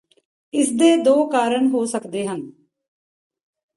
ਇਸ ਦੇ ਦੋ ਕਾਰਣ ਹੋ ਸਕਦੇ ਹਨ